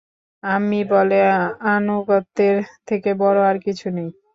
আম্মি বলে, আনুগত্যের থেকে বড় আর কিছু নেই।